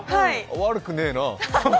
悪くねえな。